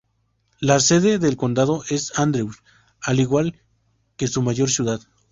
La sede del condado es Andrews, al igual que su mayor ciudad.